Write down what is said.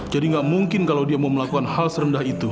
nggak mungkin kalau dia mau melakukan hal serendah itu